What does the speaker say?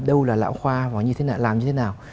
đâu là lão khoa